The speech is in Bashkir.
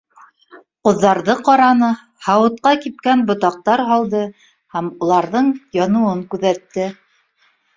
Ҡуҙҙарҙы ҡараны, һауытҡа кипкән ботаҡтар һалды һәм уларҙың яныуын күҙәтте.